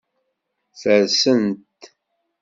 Fersen-t.